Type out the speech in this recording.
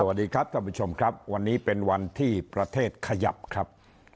สวัสดีครับท่านผู้ชมครับวันนี้เป็นวันที่ประเทศขยับครับ